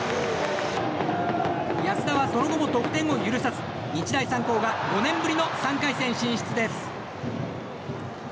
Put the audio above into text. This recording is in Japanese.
安田は、その後も得点を許さず日大三高が５年ぶりの３回戦進出です。